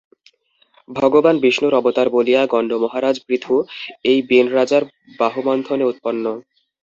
ভগবান বিষ্ণুর অবতার বলিয়া গণ্য মহারাজ পৃথু এই বেণ-রাজার বাহুমন্থনে উৎপন্ন।